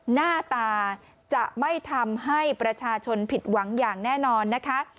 หน้าตาจะไม่ทำให้ประชาชนผิดหวังอย่างแน่นอนนะคะ